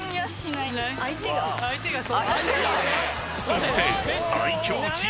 ［そして］